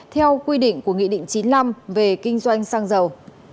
theo quy định của nghị định chín mươi năm về kinh doanh xăng dầu